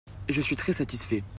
Je suis très satisfait.